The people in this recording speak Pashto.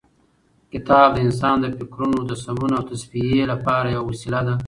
کتاب د انسان د فکرونو د سمون او تصفیې لپاره یوه وسیله ده.